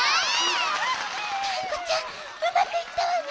がんこちゃんうまくいったわね。